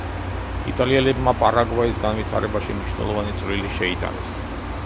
იტალიელებმა პარაგვაის განვითარებაში მნიშვნელოვანი წვლილი შეიტანეს.